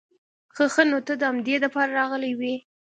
خه خه نو ته د همدې د پاره راغلې وې؟